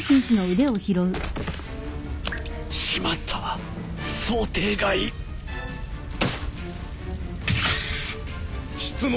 しまった想定外質問